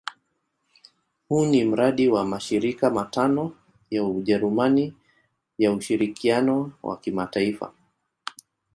Huu ni mradi wa mashirika matano ya Ujerumani ya ushirikiano wa kimataifa.